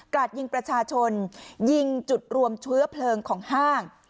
ราดยิงประชาชนยิงจุดรวมเชื้อเพลิงของห้าง